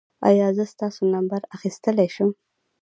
ایا زه ستاسو نمبر اخیستلی شم؟